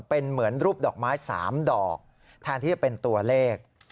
เป็นเหมือนรูปดอกไม้๓ดอกแทนที่จะเป็นตัวเลข